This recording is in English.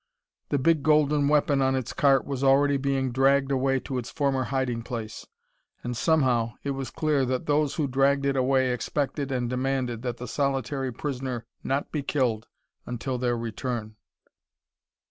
The big golden weapon on its cart was already being dragged away to its former hiding place. And somehow, it was clear that those who dragged it away expected and demanded that the solitary prisoner not be killed until their return.